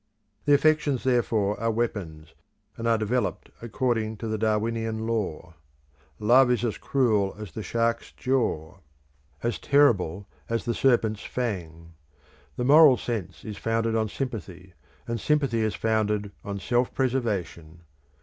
The affections, therefore, are weapons, and are developed according to the Darwinian Law. Love is as cruel as the shark's jaw, as terrible as the serpent's fang. The moral sense is founded on sympathy, and sympathy is founded on self preservation.